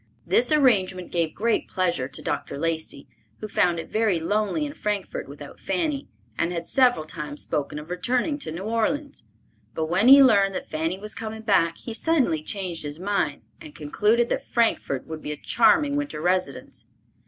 This arrangement gave great pleasure to Dr. Lacey, who found it very lonely in Frankfort without Fanny, and had several times spoken of returning to New Orleans. But when he learned that Fanny was coming back, he suddenly changed his mind and concluded that Frankfort would be a charming winter residence.